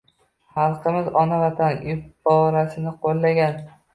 xalqimiz «ona vatan» iborasini qo‘llagan.